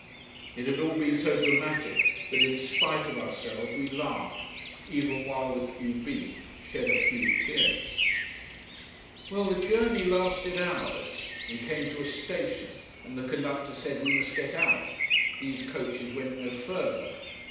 It had all been so dramatic that in spite of ourselves we laughed, even while the q b shed a few tears. Well, the journey lasted hours. We came to a station, and the conductor said we must get out: these coaches went no further.